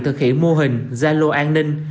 thực hiện mô hình gia lô an ninh